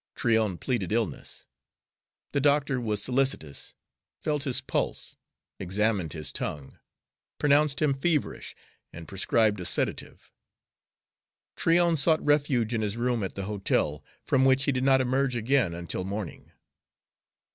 Tryon pleaded illness. The doctor was solicitous, felt his pulse, examined his tongue, pronounced him feverish, and prescribed a sedative. Tryon sought refuge in his room at the hotel, from which he did not emerge again until morning.